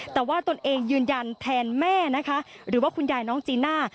แต่ว่าตนเองยืนยันแทนแม่นะคะหรือว่าคุณยายน้องจีน่า